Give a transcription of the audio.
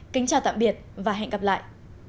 kính chào tạm biệt và hẹn gặp lại